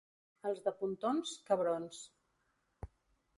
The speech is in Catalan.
Els de Pontons, cabrons.